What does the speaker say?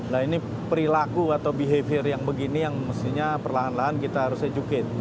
nah ini perilaku atau behavior yang begini yang mestinya perlahan lahan kita harus educate